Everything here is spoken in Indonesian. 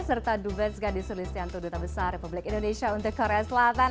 serta dubes gadis sulistianto duta besar republik indonesia untuk korea selatan